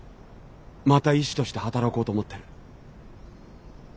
また医師として働こうと思ってる。